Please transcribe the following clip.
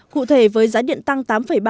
cụ thể với giá điện tăng